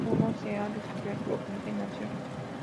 Aún no se ha descubierto su inclinación.